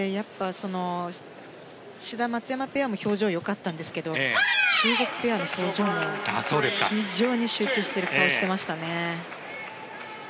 志田・松山ペアも表情よかったんですけど中国ペアの表情も非常に集中している顔をしていましたね。